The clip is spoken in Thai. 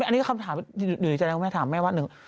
อันนี้คำถามอยู่ในใจแล้วถามแม่วัดหนึ่ง